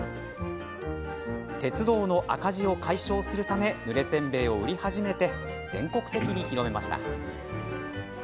鉄道の赤字を解消するためぬれせんべいを売り始めて全国的に広めました。